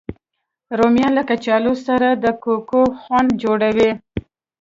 رومیان له کچالو سره د کوکو خوند جوړوي